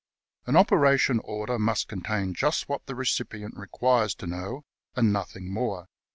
" An operation order must contain just what the recipient requires to know and nothing more.